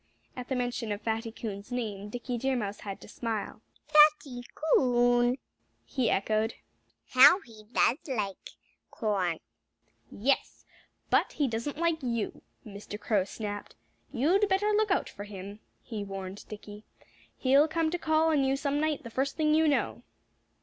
At the mention of Fatty Coon's name Dickie Deer Mouse had to smile. "Fatty Coon!" he echoed. "How he does like corn!" "Yes! But he doesn't like you," Mr. Crow snapped. "You'd better look out for him," he warned Dickie. "He'll come to call on you some night, the first thing you know.